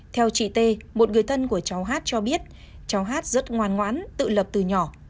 theo chị t một người thân của cháu hát cho biết cháu hát rất ngoan ngoãn tự lập từ nhỏ